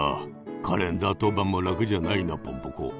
カレンダー当番も楽じゃないなポンポコ。